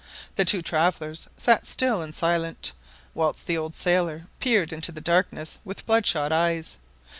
The two travellers sat still and silent, whilst the old sailor peered into the darkness with bloodshot eyes.